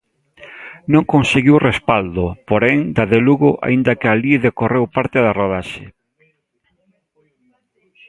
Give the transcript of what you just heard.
Non conseguiu respaldo, porén, da de Lugo, aínda que alí decorreu parte da rodaxe.